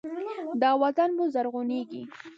دا وطن به زرغونیږي.